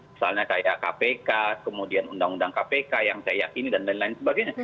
misalnya kayak kpk kemudian undang undang kpk yang saya yakini dan lain lain sebagainya